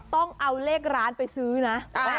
ต้องเอาเลขร้านไปซื้อนะ